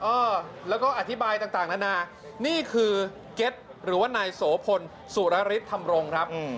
เออแล้วก็อธิบายต่างนานานี่คือเก็ตหรือว่านายโสพลสุรฤทธธรรมรงครับ